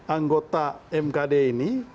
anggota mkd ini